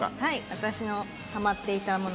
私のはまっていたもの